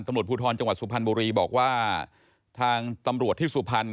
ตำรวจภูทรจังหวัดสุพรรณบุรีบอกว่าทางตำรวจที่สุพรรณ